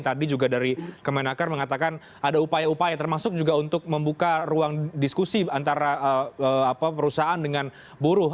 tadi juga dari kemenaker mengatakan ada upaya upaya termasuk juga untuk membuka ruang diskusi antara perusahaan dengan buruh